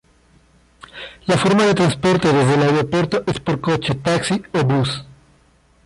La forma de transporte desde el aeropuerto es por coche, taxi o bus.